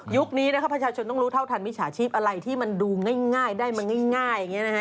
นี้นะครับประชาชนต้องรู้เท่าทันมิจฉาชีพอะไรที่มันดูง่ายได้มาง่ายอย่างนี้นะฮะ